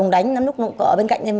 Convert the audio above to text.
đánh lắm lúc nó cũng ở bên cạnh em